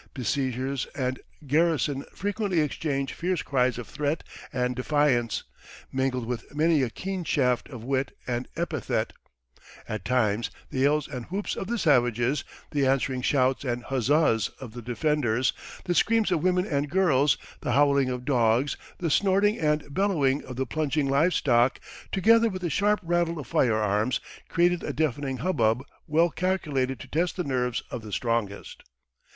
Besiegers and garrison frequently exchanged fierce cries of threat and defiance, mingled with many a keen shaft of wit and epithet; at times the yells and whoops of the savages, the answering shouts and huzzahs of the defenders, the screams of women and girls, the howling of dogs, the snorting and bellowing of the plunging live stock, together with the sharp rattle of firearms, created a deafening hubbub well calculated to test the nerves of the strongest.